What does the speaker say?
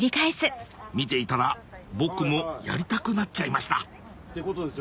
見ていたら僕もやりたくなっちゃいました